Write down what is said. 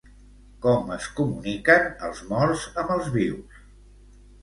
Com es comuniquen els morts amb els vius?